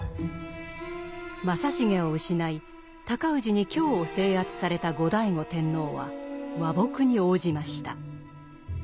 正成を失い尊氏に京を制圧された後醍醐天皇は和睦に応じました。